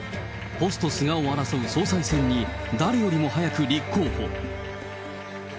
ポスト菅を争う総裁選に、誰よりも早く立候補。